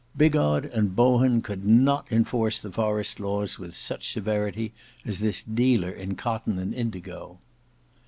Bigod and Bohun could not enforce the forest laws with such severity as this dealer in cotton and indigo."